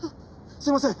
すいません。